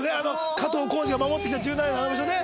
加藤浩次が守ってきた１７年のあの場所ね。